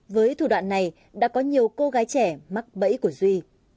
với thủ đoạn này đã có nhiều cô gái trẻ mắc bẫy của duy